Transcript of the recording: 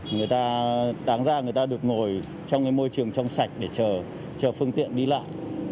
người ta đáng ra người ta được ngồi trong môi trường trong sạch để chờ phương tiện đi lại